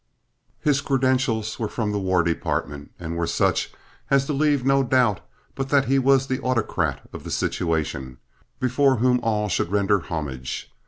His credentials were from the War Department and were such as to leave no doubt but that he was the autocrat of the situation, before whom all should render homage.